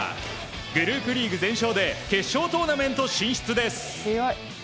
グループリーグ全勝で決勝トーナメント進出です。